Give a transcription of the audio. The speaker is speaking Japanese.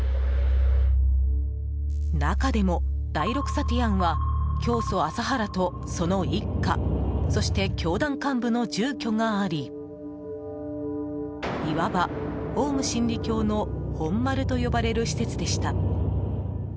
中でも、第６サティアンは教祖・麻原とその一家そして、教団幹部の住居がありいわば、オウム真理教の本丸と呼ばれる施設でした。